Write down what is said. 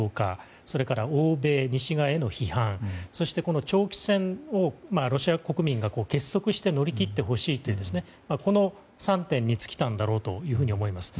それから欧米、西側への批判そして長期戦をロシア国民が結束して乗り切ってほしいというこの３点に尽きたんだろうと思います。